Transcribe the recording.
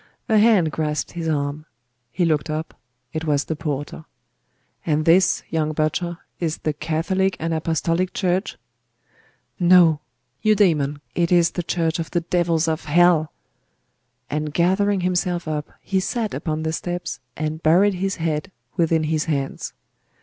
A hand grasped his arm; he looked up; it was the porter. 'And this, young butcher, is the Catholic and apostolic Church?' 'No! Eudaimon, it is the church of the devils of hell!' And gathering himself up, he sat upon the steps and buried his head within his hands.